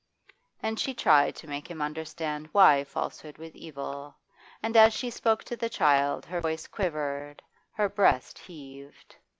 Then she tried to, make him understand why falsehood was evil, and as she spoke to the child her voice quivered, her breast heaved.